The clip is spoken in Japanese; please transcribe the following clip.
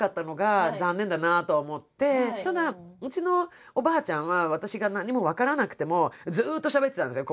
ただうちのおばあちゃんは私が何も分からなくてもずっとしゃべってたんですよ。